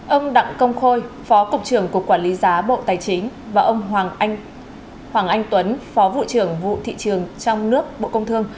ông đặng công khôi phó cục trưởng cục quản lý giá bộ tài chính và ông hoàng anh tuấn phó vụ trưởng vụ thị trường trong nước bộ công thương